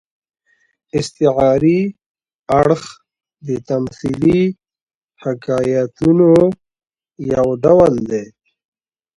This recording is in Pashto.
استعاري اړخ د تمثيلي حکایتونو یو ډول دئ.